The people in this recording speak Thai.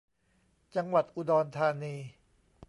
จังหวัดอุดรธานี